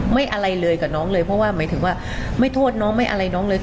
อะไรเลยกับน้องเลยเพราะว่าหมายถึงว่าไม่โทษน้องไม่อะไรน้องเลย